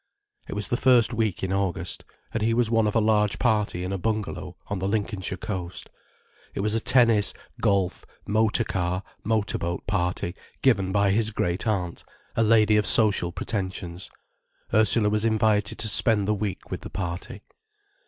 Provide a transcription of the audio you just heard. It was the first week in August, and he was one of a large party in a bungalow on the Lincolnshire coast. It was a tennis, golf, motor car, motor boat party, given by his great aunt, a lady of social pretensions. Ursula was invited to spend the week with the party.